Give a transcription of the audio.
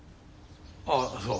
あっそう。